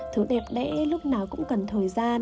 thứ đẹp đẽ lúc nào cũng cần thời gian